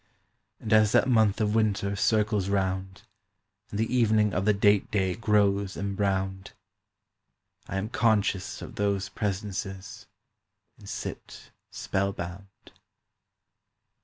And as that month of winter Circles round, And the evening of the date day Grows embrowned, I am conscious of those presences, and sit spellbound.